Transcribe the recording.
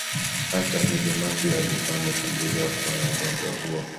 Hata hivyo Mercury alikuwa ametambuliwa kuwa na ugonjwa huo